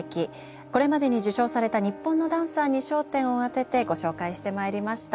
これまでに受賞された日本のダンサーに焦点を当ててご紹介してまいりました。